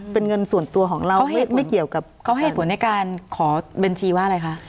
เป็นเงินส่วนตัวของเราเขาไม่เกี่ยวกับเขาให้ผลในการขอบัญชีว่าอะไรคะ